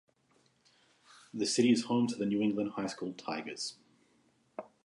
The city is home to the New England High School Tigers.